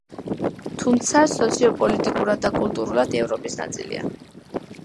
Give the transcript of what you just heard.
თუმცა სოციოპოლიტიკურად და კულტურულად ევროპის ნაწილია.